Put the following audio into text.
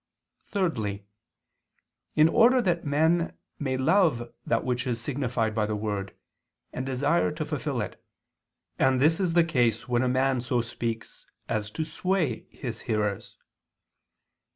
Thirdly, in order that men may love that which is signified by the word, and desire to fulfill it, and this is the case when a man so speaks as to sway his hearers.